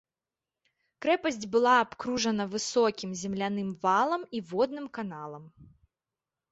Крэпасць была абкружана высокім земляным валам і водным каналам.